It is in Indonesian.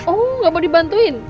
oh gak mau dibantuin